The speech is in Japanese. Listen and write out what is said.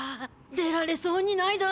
出られそうにないだ。